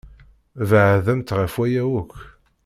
Beɛdemt ɣef waya akk!